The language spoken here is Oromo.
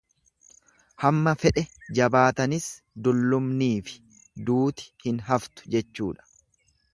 Hamma fedhe jabaatanis dullumniifi duuti hin haftu jechuudha.